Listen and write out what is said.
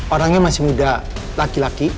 orangnya masih muda laki laki